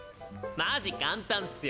マジ簡単っスよ。